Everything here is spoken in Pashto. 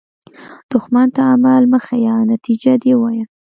دښمن ته عمل مه ښیه، نتیجه دې ووایه